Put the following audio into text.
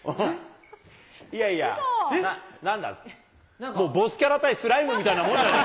いやいや、なんだ、ボスキャラ対スライムみたいなもんじゃないか。